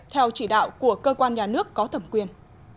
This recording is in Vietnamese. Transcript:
theo chỉ đạo của cơ quan nhà nước có thẩm quyền